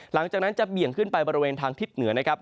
หลังจากนั้นจะเบี่ยงขึ้นไปบริเวณทางทิศเหนือนะครับ